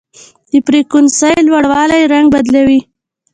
د فریکونسۍ لوړوالی رنګ بدلوي.